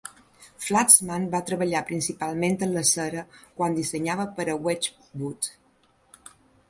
Flaxman va treballar principalment en la cera quan dissenyava per a Wedgwood.